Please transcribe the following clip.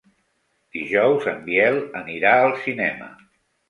Dijous en Biel anirà al cinema.